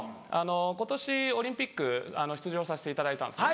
今年オリンピック出場させていただいたんですね。